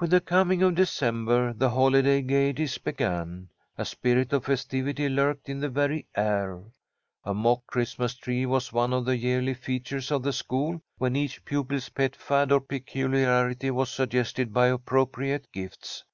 With the coming of December the holiday gaieties began. A spirit of festivity lurked in the very air. A mock Christmas tree was one of the yearly features of the school, when each pupil's pet fad or peculiarity was suggested by appropriate gifts.